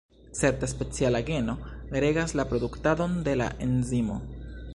Certa speciala geno regas la produktadon de la enzimo.